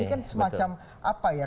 ini kan semacam apa ya